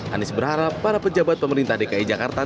anies berharap para pejabat pemerintah dki jakarta